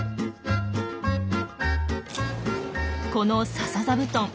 このササ座布団